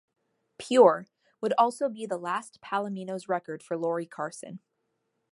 "Pure" would also be the last Palominos record for Lori Carson.